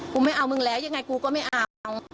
ไม่เอามึงแล้วยังไงกูก็ไม่เอา